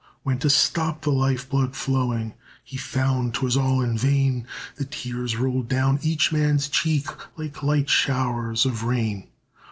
When to stop the life blood flowing He found 'twas all in vain, The tears rolled down each man's cheek Like light showers of rain.